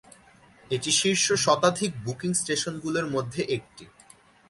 এটি শীর্ষ শতাধিক বুকিং স্টেশনগুলির মধ্যে একটি।